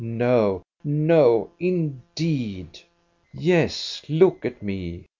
No ! No, indeed !*' Yes, look at me !